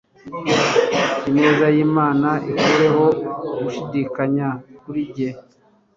ineza y'Imana ikureho gushidikanya kuri njye